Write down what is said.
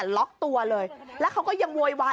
ล็อกตัวเลยแล้วเขาก็ยังโวยวาย